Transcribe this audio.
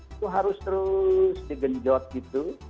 itu harus terus digenjot gitu